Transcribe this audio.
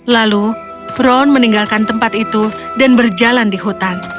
lalu ron meninggalkan tempat itu dan berjalan di hutan